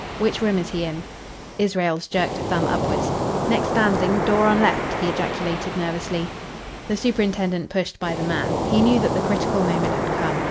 "Which room is he in?" Israels jerked a thumb upwards. "Next landing. Door on left," he ejaculated nervously. The superintendent pushed by the man. He knew that the critical moment had come.